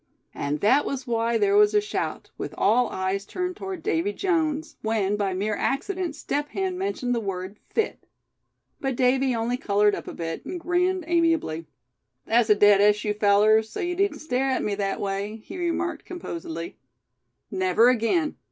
And that was why there was a shout, with all eyes turned toward Davy Jones, when by mere accident Step Hen mentioned the word "fit." But Davy only colored up a bit, and grinned amiably. "That's a dead issue, fellers, so you needn't stare at me that way," he remarked, composedly. "Never again.